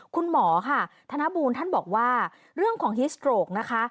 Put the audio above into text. คุณหมอค่ะธนบูลท่านบอกว่าเรื่องของฮิสโตรกนะคะ